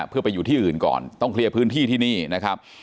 เพื่อไปอยู่ที่อื่นก่อนต้องเคลียร์พื้นที่ที่นี่นะครับ